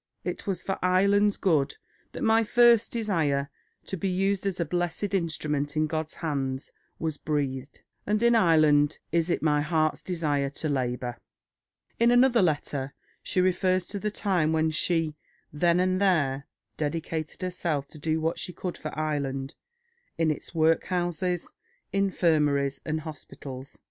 It was for Ireland's good that my first desire to be used as a blessed instrument in God's hand was breathed, ... and in Ireland is it my heart's desire to labour...." In another letter she refers to the time when she "then and there" dedicated herself to do what she could for Ireland, in its workhouses, infirmaries, and hospitals.